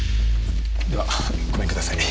ではごめんください。